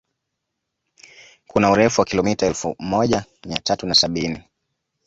Kuna urefu wa kilomita elfu moja mia tatu na sabini